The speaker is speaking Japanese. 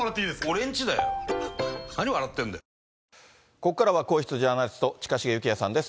ここからは皇室ジャーナリスト、近重幸哉さんです。